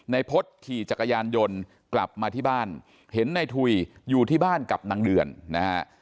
พฤษขี่จักรยานยนต์กลับมาที่บ้านเห็นในถุยอยู่ที่บ้านกับนางเดือนนะฮะ